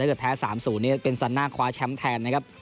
แต่ถ้าแพ้๓สูตรเนี่ยเป็นสนานคว้าแชมป์แทนนะครับ